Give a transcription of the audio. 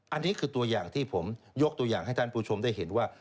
อันนี้คือตัวอย่างที่ผมยกตัวอย่างให้ท่านผู้ชมได้เห็นว่า